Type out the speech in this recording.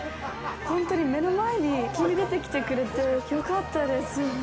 本当に目の前に急に出てきてくれてよかったですよ。